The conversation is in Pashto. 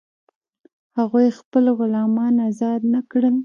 هغوی خپل غلامان آزاد نه کړل.